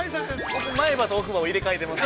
◆僕、前歯と奥歯を入れかえてます。